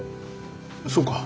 そうか。